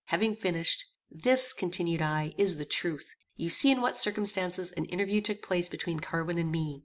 Having finished, "This," continued I, "is the truth; you see in what circumstances an interview took place between Carwin and me.